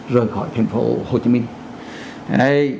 rời khỏi thành phố hồ chí minh